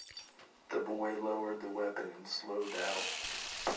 The boy lowered the weapon in slow doubt.